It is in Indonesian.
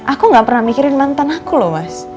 aku gak pernah mikirin mantan aku loh mas